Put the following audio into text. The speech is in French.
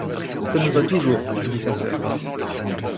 Ça nous va toujours, dit sa soeur.